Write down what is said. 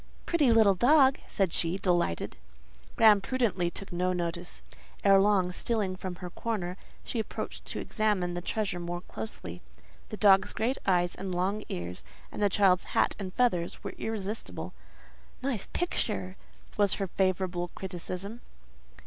"Pretty little dog!" said she, delighted. Graham prudently took no notice. Ere long, stealing from her corner, she approached to examine the treasure more closely. The dog's great eyes and long ears, and the child's hat and feathers, were irresistible. "Nice picture!" was her favourable criticism.